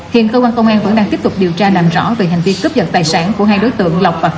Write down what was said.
hiện cơ quan công an vẫn đang tiếp tục điều tra làm rõ về hành vi cướp giật tài sản của hai đối tượng lộc